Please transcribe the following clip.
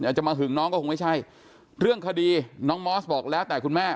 จะมาหึงน้องก็คงไม่ใช่เรื่องคดีน้องมอสบอกแล้วแต่คุณแม่